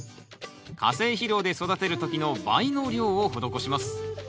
化成肥料で育てる時の倍の量を施します。